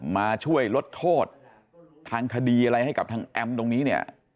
มาช่วยลดโทษทางคดีอะไรให้กับทางแอมตรงนี้เนี่ย